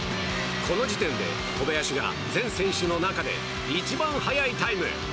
この時点で小林が全選手の中で一番速いタイム。